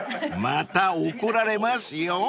［また怒られますよ］